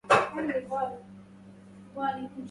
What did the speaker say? فتعوضي عشراً بها من أَهلهِ